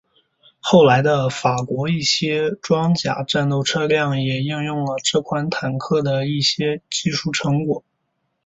后来的法国一些装甲战斗车辆也利用了这款坦克的一些技术成果。